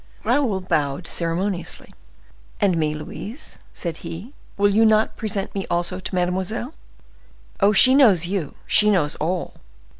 Raoul bowed ceremoniously. "And me, Louise," said he—"will you not present me also to mademoiselle?" "Oh, she knows you—she knows all!"